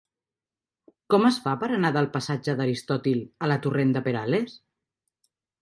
Com es fa per anar del passatge d'Aristòtil a la torrent de Perales?